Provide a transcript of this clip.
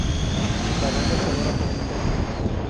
La banda sonora fue exitosa.